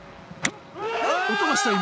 音がした今。